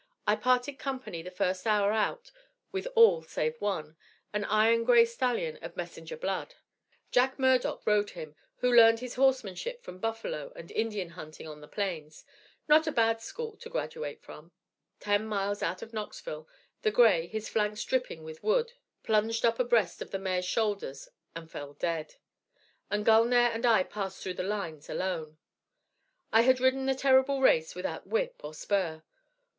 I parted company the first hour out with all save one, an iron gray stallion of Messenger blood. Jack Murdock rode him, who learned his horsemanship from buffalo and Indian hunting on the plains not a bad school to graduate from. Ten miles out of Knoxville the gray, his flanks dripping with Wood, plunged up abreast of the mare's shoulders and fell dead; and Gulnare and I passed through the lines alone. _I had ridden the terrible race without whip or spur.